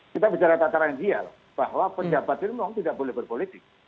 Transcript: kita bicara tataran dia loh bahwa penjabat gembong tidak boleh berpolitik